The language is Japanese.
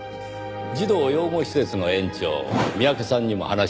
児童養護施設の園長三宅さんにも話を聞きました。